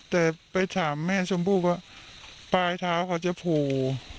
แต่ไปถามแม่สมบูรณ์ว่าปลายเท้าเขาจะผู